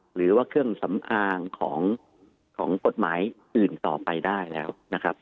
หรือว่าเครื่องสำอางของกฎหมายอื่นต่อไปได้แล้วนะครับ